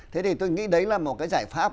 thế thì tôi nghĩ đấy là một cái giải pháp